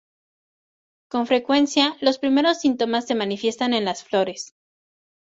Con frecuencia, los primeros síntomas se manifiestan en las flores.